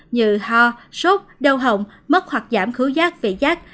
như ho sốt đau hồng mất hoặc giảm khứ giác vệ giác